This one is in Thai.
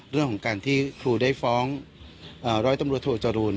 เรื่องของการที่ครูได้ฟ้องร้อยตำรวจโทจรูล